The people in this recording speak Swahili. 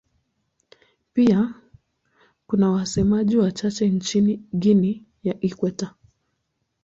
Pia kuna wasemaji wachache nchini Guinea ya Ikweta.